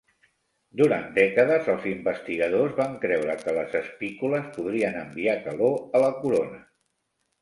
Durant dècades, els investigadors van creure que les espícules podrien enviar calor a la corona.